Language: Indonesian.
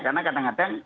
karena kadang kadang